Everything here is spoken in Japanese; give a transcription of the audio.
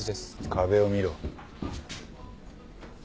壁を見ろ。